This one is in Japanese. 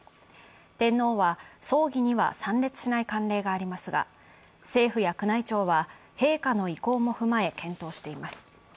天皇は葬儀には参列しない慣例がありますが政府や宮内庁は、陛下の意向も踏まえ検討しています。